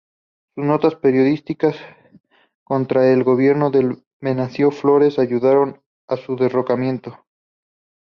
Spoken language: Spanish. Sus notas periodísticas contra el gobierno de Venancio Flores ayudaron a su derrocamiento.